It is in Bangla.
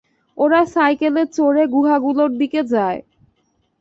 ওরা সাইকেলে চড়ে গুহাগুলোর দিকে যায়।